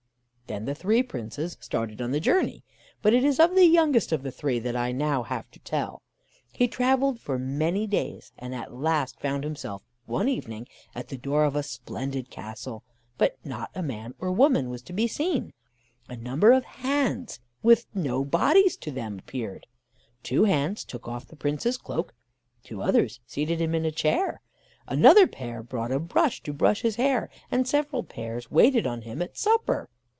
Then the three Princes started on the journey; but it is of the youngest of the three that I have now to tell. He travelled for many days, and at last found himself, one evening, at the door of a splendid castle, but not a man or woman was to be seen. A number of hands, with no bodies to them, appeared: two hands took off the Prince's cloak, two others seated him in a chair, another pair brought a brush to brush his hair, and several pairs waited on him at supper.